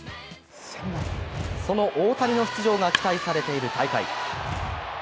その大谷の出場が期待されている大会。